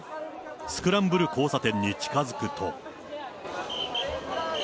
スクランブル交差点に近づくと。